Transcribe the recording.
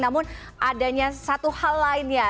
namun adanya satu hal lainnya